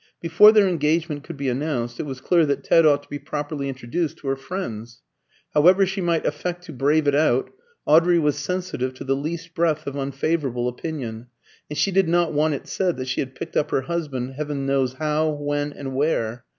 Before their engagement could be announced, it was clear that Ted ought to be properly introduced to her friends. However she might affect to brave it out, Audrey was sensitive to the least breath of unfavourable opinion, and she did not want it said that she had picked up her husband heavens knows how, when, and where.